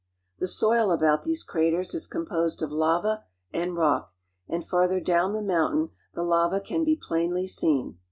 The soil about these craters is composed of lava and I rock, and farther down the mountain the lava can be plainly [•seen.